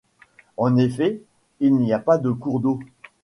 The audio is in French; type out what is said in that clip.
En effet, il n'y pas de cours d'eau.